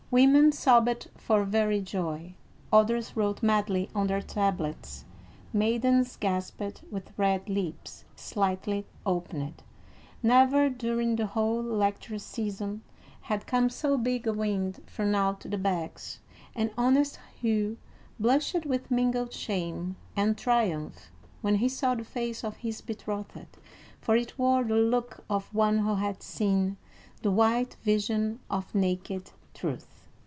Women sobbed for very joy; others wrote madly on their tablets; maidens gasped with red lips slightly opened; never, during the whole lecture season, had come so big a wind from out the bags, and honest Hugh blushed with mingled shame and triumph when he saw the face of his betrothed, for it wore the look of one who had seen the white vision of naked truth.